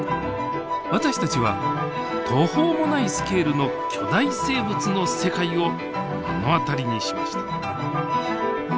私たちは途方もないスケールの巨大生物の世界を目の当たりにしました。